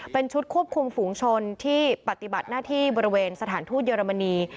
เป็นชุดควบคุมฝูงชนที่ปฏิบัติหน้าที่บริเวณสถานทูตเยอรมนี